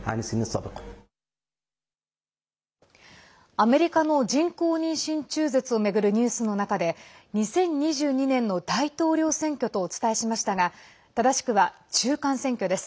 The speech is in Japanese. アメリカの人工妊娠中絶を巡るニュースの中で２０２２年の大統領選挙とお伝えしましたが正しくは中間選挙です。